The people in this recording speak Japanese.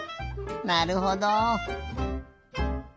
なるほど。